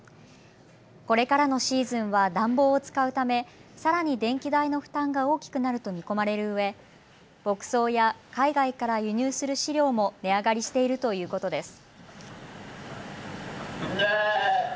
これからのシーズンは暖房を使うため、さらに電気代の負担が大きくなると見込まれるうえ牧草や海外から輸入する飼料も値上がりしているということです。